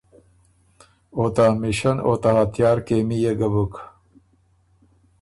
او ته امیشن او ته هتیار کېمي يې ګۀ بُک۔